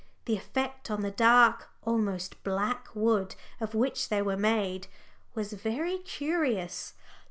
The effect on the dark, almost black, wood of which they were made was very curious.